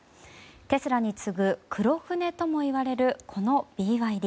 テスラに次ぐ黒船ともいわれるこのＢＹＤ。